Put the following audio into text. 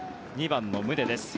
２番の宗です。